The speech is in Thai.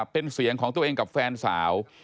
เป็นเสียงของตัวเองกับแฟนสาว